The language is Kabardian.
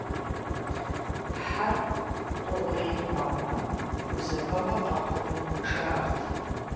Хьэр къугърей хъуамэ, гузэвэгъуэ къэхъуну, жаӀэрт.